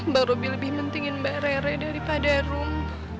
bang robi lebih mentingin mbak rere daripada rum